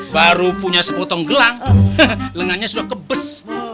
baru punya sepotong gelang lengannya sudah kebes